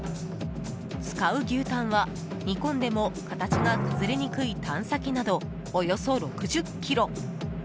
使う牛タンは、煮込んでも形が崩れにくいタン先などおよそ６０ｋｇ。